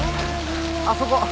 あそこ。